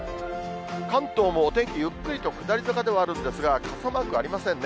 関東もお天気、ゆっくりと下り坂ではあるんですが、傘マークありませんね。